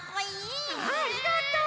あありがとう！